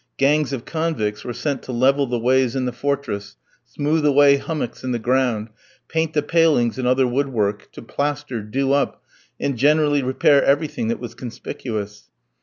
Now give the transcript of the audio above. Gangs of convicts were sent to level the ways in the fortress, smooth away hummocks in the ground, paint the palings and other wood work, to plaster, do up, and generally repair everything that was conspicuous.